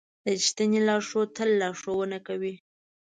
رښتینی لارښود تل لارښوونه کوي.